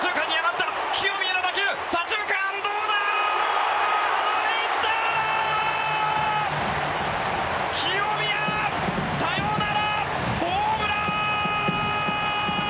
清宮サヨナラホームラン！